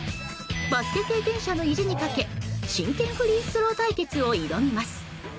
バスケ経験者の意地にかけ真剣フリースロー対決を挑みます。